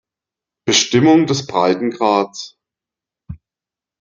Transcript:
Bestimmung des Breitengrads